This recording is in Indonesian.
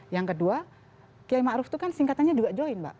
yang kedua kiai ma'ruf itu kan singkatannya juga join mbak